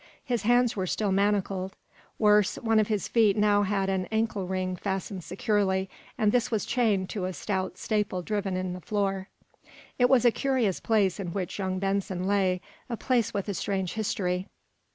His hands were still manacled. Worse, one of his feet now had an ankle ring fastened securely, and this was chained to a stout staple driven in the floor. It was a curious place in which young Benson lay, a place with a strange history.